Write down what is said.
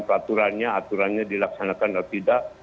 peraturannya aturannya dilaksanakan atau tidak